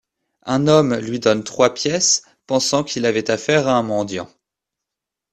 Un homme lui donne trois pièces, pensant qu'il avait affaire à un mendiant.